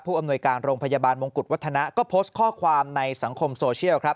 อำนวยการโรงพยาบาลมงกุฎวัฒนะก็โพสต์ข้อความในสังคมโซเชียลครับ